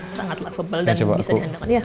sangat lavable dan bisa diandalkan